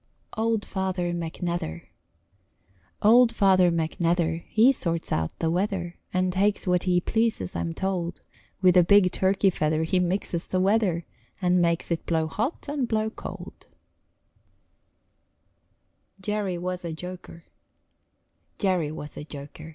OLD FATHER McNETHER Old Father McNether He sorts out the weather And takes what he pleases, I'm told, With a big turkey feather He mixes the weather, And makes it blow hot and blow cold. [Illustration: OLD FATHER McNETHER] JERRY WAS A JOKER Jerry was a joker.